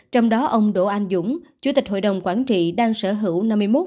trong đó ông đỗ anh dũng chủ tịch hội đồng quản trị đang sở hữu năm mươi một bốn mươi tám